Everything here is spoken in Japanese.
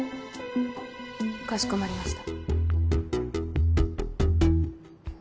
かしこまりました。